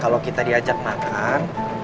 kalau kita di ajak makan